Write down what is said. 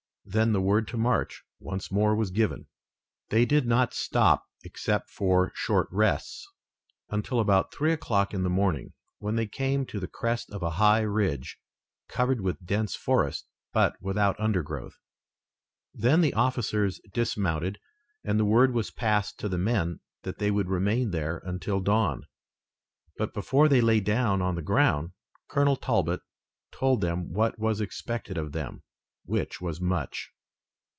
Then the word to march once more was given. They did not stop, except for short rests, until about three o'clock in the morning, when they came to the crest of a high ridge, covered with dense forest, but without undergrowth. Then the officers dismounted, and the word was passed to the men that they would remain there until dawn, but before they lay down on the ground Colonel Talbot told them what was expected of them, which was much.